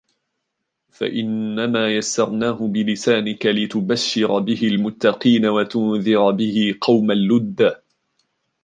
فَإِنَّمَا يَسَّرْنَاهُ بِلِسَانِكَ لِتُبَشِّرَ بِهِ الْمُتَّقِينَ وَتُنْذِرَ بِهِ قَوْمًا لُدًّا